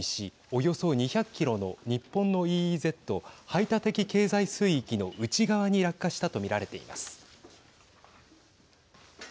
およそ２００キロの日本のＥＥＺ＝排他的経済水域の内側に落下したと見られています。